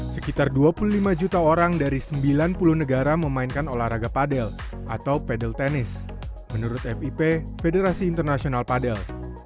sekitar dua puluh lima juta orang dari sembilan puluh negara memainkan olahraga padel atau pedel tennis menurut fip federasi internasional padel